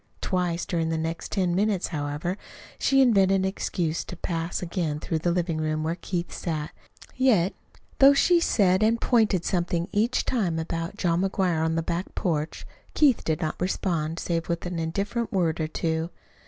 Twice during the next ten minutes, however, she invented an excuse to pass again through the living room, where Keith sat. Yet, though she said a pointed something each time about John McGuire on the back porch, Keith did not respond save with an indifferent word or two.